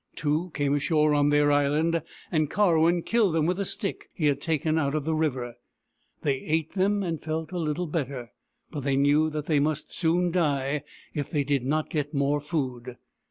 Two came ashore on their island, and Karwin killed them with a stick he had taken out of the river. They ate them, and felt a little better. But they knew that they must soon die if they did not get more food.